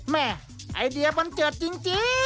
แม่ไอเดียบันเจิดจริง